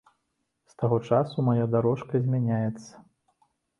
З таго часу мая дарожка змяняецца.